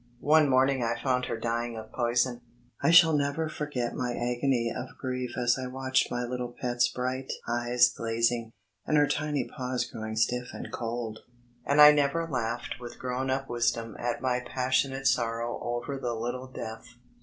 One morning I found her dying of poison. I shall never forget my agony of grief as I watched my little pet's bright eyesglazing, and her tiny paws growing stiff and cold. And I have never laughed with grown up wisdom at my passion ate sorrow over the litde death.